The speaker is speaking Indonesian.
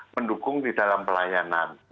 mendukung di dalam pelayanan